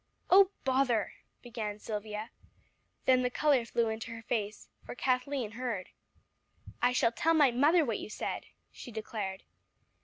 "Oh bother!" began Silvia. Then the color flew into her face, for Kathleen heard. "I shall tell my mother what you said," she declared.